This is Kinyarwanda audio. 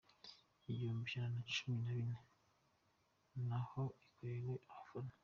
ibihumbi ijana na cumi na bine Frw naho iyakorewe abafana